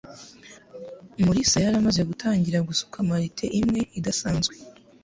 Mulisa yari amaze gutangira gusuka malt imwe idasanzwe.